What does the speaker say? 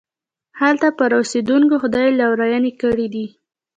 هلته پر اوسېدونکو خدای لورينې کړي دي.